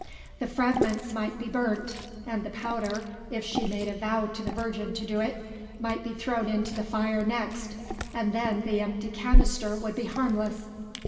The fragments might be burnt, and the powder (if she made a vow to the Virgin to do it) might be thrown into the fire next and then the empty canister would be harmless.